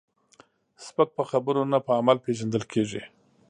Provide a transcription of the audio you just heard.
سپک په خبرو نه، په عمل پیژندل کېږي.